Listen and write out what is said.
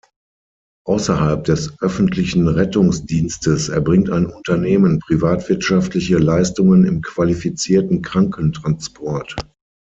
Außerhalb des Öffentlichen Rettungsdienstes erbringt ein Unternehmen privatwirtschaftliche Leistungen im qualifizierten Krankentransport.